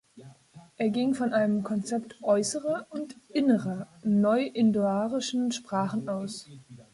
Er ging von einem Konzept „äußerer“ und „innerer“ neuindoarischen Sprachen aus.